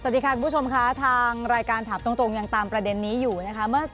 สวัสดีค่ะคุณผู้ชมค่ะทางรายการถามตรงยังตามประเด็นนี้อยู่นะคะ